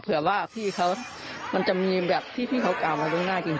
เผื่อว่าพี่เขามันจะมีแบบที่พี่เขากล่าวมาเบื้องหน้าจริง